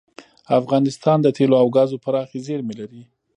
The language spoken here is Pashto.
افغانستان د تیلو او ګازو پراخې زیرمې لري.